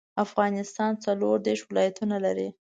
افغانستان څلوردیرش ولايتونه لري.